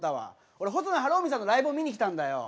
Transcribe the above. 俺細野晴臣さんのライブを見に来たんだよ。